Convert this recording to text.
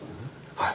はい。